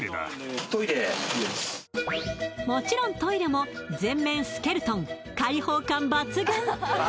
もちろんトイレも全面スケルトン開放感抜群！